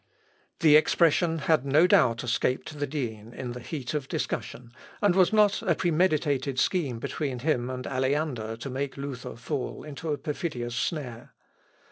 The expression had no doubt escaped the dean in the heat of discussion, and was not a premeditated scheme between him and Aleander to make Luther fall into a perfidious snare.